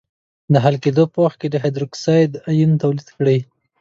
د حل کېدو په وخت د هایدروکساید آیون تولید کړي.